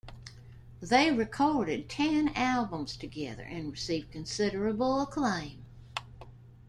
They recorded ten albums together and received considerable acclaim.